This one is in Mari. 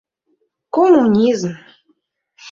Коммунизм!